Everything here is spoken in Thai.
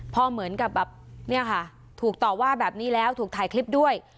พอเหมือนกับแบบเนี่ยค่ะถูกต่อว่าแบบนี้แล้วถูกถ่ายคลิปด้วย